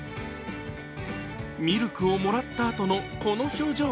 ミルクをもらったあとのこの表情。